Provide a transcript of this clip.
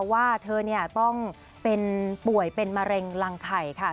ว่าเธอนี้ต้องป่วยเป็นมะเร็งลังไข่ค่ะ